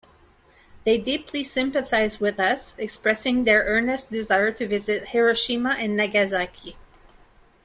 They deeply sympathized with us, expressing their earnest desire to visit Hiroshima and Nagasaki.